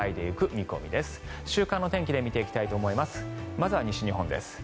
まずは西日本です。